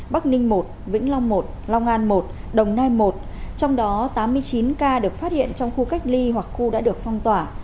bắc ninh một vĩnh long một long an một đồng nai một trong đó tám mươi chín ca được phát hiện trong khu cách ly hoặc khu đã được phong tỏa